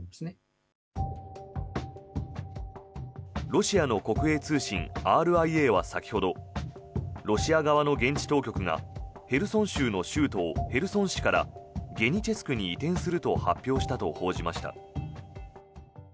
ロシアの国営通信ＲＩＡは先ほどロシア側の現地当局がヘルソン州の州都をヘルソン市からゲニチェスクに移転すると発表したと報じました。